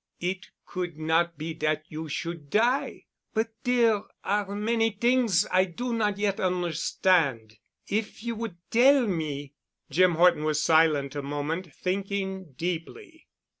It could not be dat you should die. But dere are many t'ings I do not yet on'erstand. If you would tell me——?" Jim Horton was silent a moment, thinking deeply.